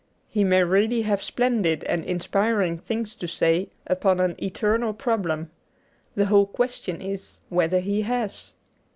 He may really have splendid and inspiring things to say upon an eternal problem. The whole question is whether he has.